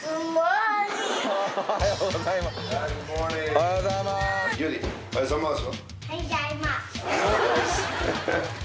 おはようございます。